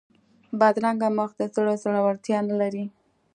بدرنګه مخ د زړه زړورتیا نه لري